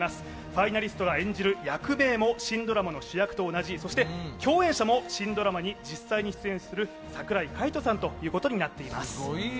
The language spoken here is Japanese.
ファイナリストが演じる役名も新ドラマの主役と同じそして共演者も新ドラマに実際に出演する櫻井海音さんということになっております。